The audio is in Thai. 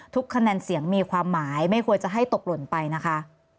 คะแนนเสียงมีความหมายไม่ควรจะให้ตกหล่นไปนะคะ